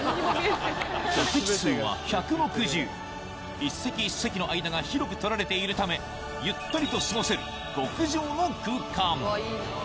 一席一席の間が広く取られているためゆったりと過ごせる極上の空間